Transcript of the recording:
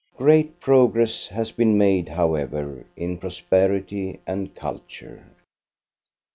Great prog ress has been made, however, in prosperity and culture.